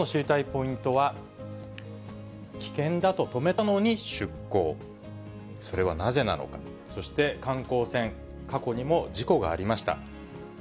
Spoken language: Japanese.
ポイントは、危険だと止めたのに出港、それはなぜなのか、そして観光船、過去にも事故がありました。